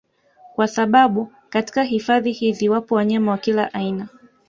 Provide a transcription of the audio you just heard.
Kwa sababu katika hifadhi hizi wapo wanyama wa kila aina